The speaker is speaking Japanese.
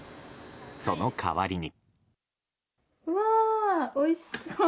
その代わりに。